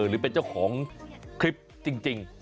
หรือเป็นเจ้าของคลิปจริง